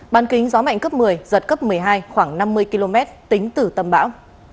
ban kính gió mạnh cấp một mươi giật cấp một mươi hai khoảng năm mươi km tính từ tâm bão